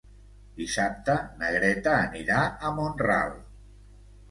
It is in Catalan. Dissabte na Greta anirà a Mont-ral.